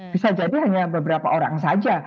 bisa jadi hanya beberapa orang saja